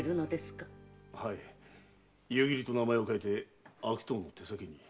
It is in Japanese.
はい夕霧と名前を変えて悪党の手先に。